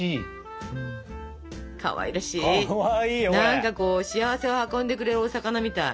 何かこう幸せを運んでくれるお魚みたい。